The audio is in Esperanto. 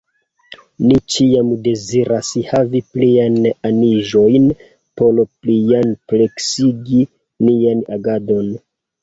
Ni ĉiam deziras havi pliajn aniĝojn por pliampleksigi nian agadon.